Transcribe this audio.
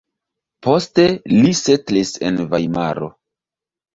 Poste li setlis en Vajmaro.